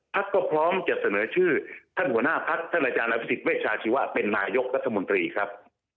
ก็พร้อมจะเสนอชื่อท่านหัวหน้าพักท่านอาจารย์อภิษฎเวชาชีวะเป็นนายกรัฐมนตรีครับ